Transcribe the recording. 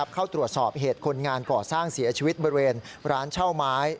เข้าตรวจสอบเหตุคนงานก่อสร้างเสียชีวิตบริเวณร้านเช่าไม้